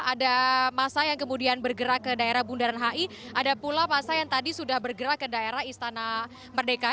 ada masa yang kemudian bergerak ke daerah bundaran hi ada pula masa yang tadi sudah bergerak ke daerah istana merdeka